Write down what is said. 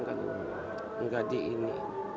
kalau tidak di ini